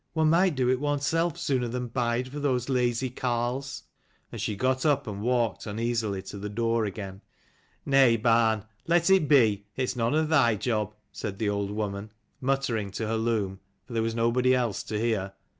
One might do it oneself sooner than bide for those lazy carles." And she got up and walked uneasily to the door again. " Nay barn, let it be: its none of thy job," said the old woman ; muttering to her loom, for there was nobody else to hear.